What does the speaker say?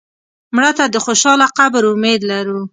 مړه ته د خوشاله قبر امید لرو